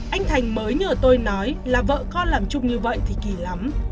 anh thành mới nhờ tôi nói là vợ con làm chung như vậy thì kỳ lắm